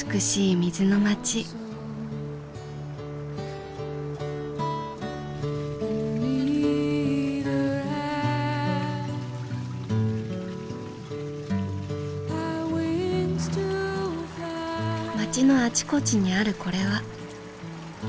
町のあちこちにあるこれは水舟。